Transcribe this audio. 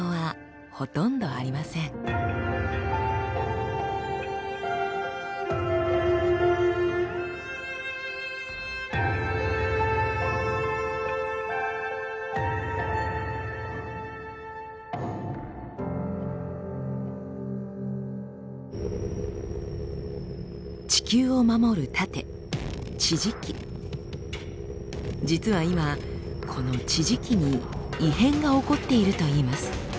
実は今この地磁気に異変が起こっているといいます。